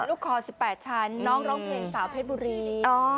ลูกคอ๑๘ชั้นน้องร้องเพลงสาวเพชรบุรี